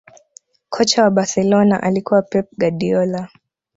kocha wa barcelona alikuwa pep guardiola